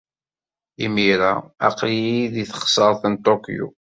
Imir-a, aql-iyi deg teɣsert n Tokyo.